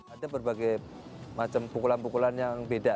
ada berbagai macam pukulan pukulan yang beda